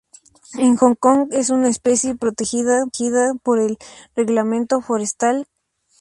En Hong Kong, es una especie protegida por el "Reglamento Forestal Cap.